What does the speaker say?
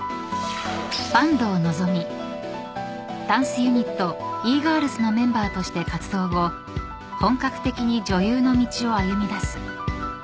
［ダンスユニットＥ−ｇｉｒｌｓのメンバーとして活動後本格的に女優の道を歩み出す］